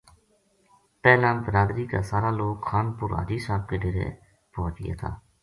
پہلاں بلادری کا سارا لوک خان پور حاجی صاحب کے ڈیرے پوہچ گیا تھا